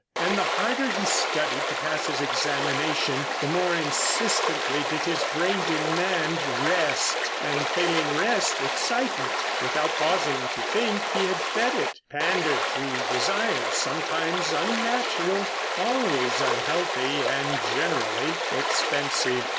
And the harder he studied to pass his examination the more insistently did his brain demand rest, and, failing rest, excitement. Without pausing to think he had fed it, pandered to desires sometimes unnatural, always unhealthy, and generally expensive.